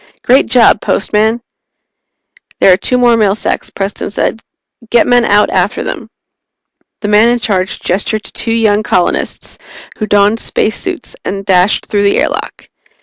"Great job, Postman!" "There are two more mail sacks," Preston said. "Get men out after them." The man in charge gestured to two young colonists, who donned spacesuits and dashed through the airlock.